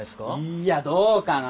いやどうかな？